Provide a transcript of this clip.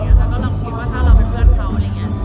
นอกจากช่วยเรานี่